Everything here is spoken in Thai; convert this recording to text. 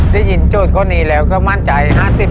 ได้ยินโจทย์เขาหนีแล้วก็มั่นใจ๕๐๕๐